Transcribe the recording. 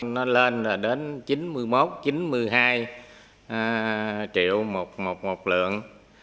nó lên là đến chín mươi một chín mươi hai triệu một lượng